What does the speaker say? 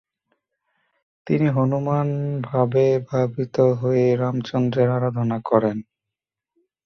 তিনি হনুমানভাবে ভাবিত হয়ে রামচন্দ্রের আরাধনা করেন।